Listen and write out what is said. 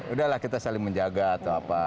udahlah kita saling menjaga atau apa